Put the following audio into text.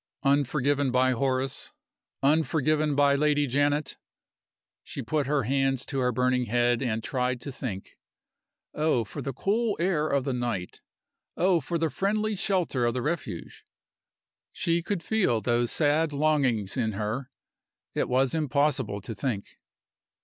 Unforgiven by Horace, unforgiven by Lady Janet! She put her hands to her burning head and tried to think. Oh, for the cool air of the night! Oh, for the friendly shelter of the Refuge! She could feel those sad longings in her: it was impossible to think.